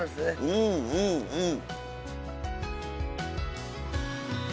うんうんうん。